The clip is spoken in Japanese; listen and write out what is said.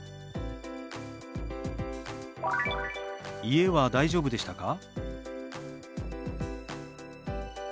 「家は大丈夫でしたか？」。